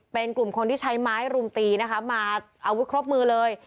เป็นกลุ่มคนที่ใช้ไม้รุมตีนะคะมาอาวุธครบมือเลย